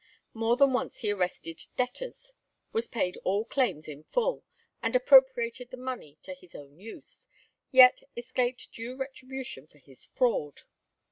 More than once he arrested debtors, was paid all claims in full, and appropriated the money to his own use, yet escaped due retribution for his fraud.